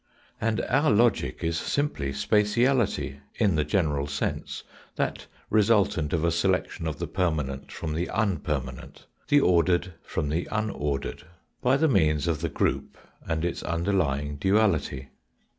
And our logic is simply spatiality in the general sense that resultant of a selection of the permanent from the unpermanent, the ordered from the unordered, by the means of the group and its underlying duality.